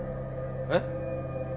えっ？